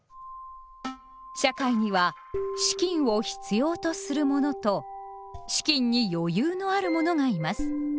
社会には「資金を必要とする者」と「資金に余裕のある者」がいます。